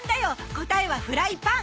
答えはフライパン！